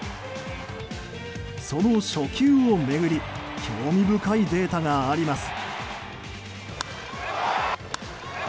その初球を巡り興味深いデータがあります。